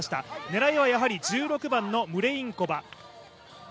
狙いはやはり１６番のムレインコバ。